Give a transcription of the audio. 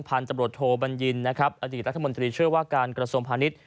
ภาร์จตำรวจโทรบัญญินนลักษมณตเชื้อว่ากานกรสมภานิษฐ์